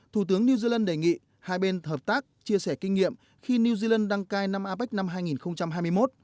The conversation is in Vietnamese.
thủ tướng new zealand đề nghị hai bên hợp tác chia sẻ kinh nghiệm khi new zealand đăng cai năm apec năm hai nghìn hai mươi một